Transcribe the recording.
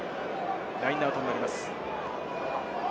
ラインアウトになります。